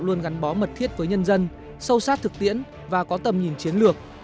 luôn gắn bó mật thiết với nhân dân sâu sát thực tiễn và có tầm nhìn chiến lược